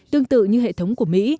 tương tự như hệ thống của mỹ